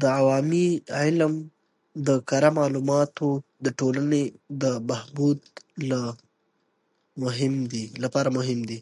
د عوامي علم د کره معلوماتو د ټولنې د بهبود لپاره مهم دی.